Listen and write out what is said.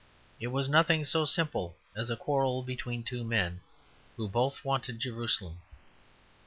It was nothing so simple as a quarrel between two men who both wanted Jerusalem.